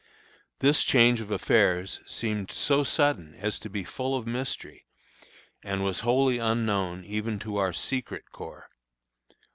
This change of affairs seemed so sudden as to be full of mystery, and was wholly unknown even to our secret corps.